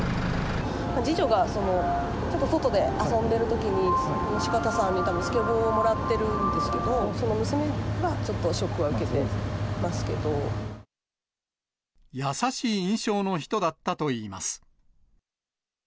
次女がちょっと外で遊んでいるときに、四方さんに、たぶんスケボーをもらってるんですけど、娘はちょっ優しい印象の人だったといいます。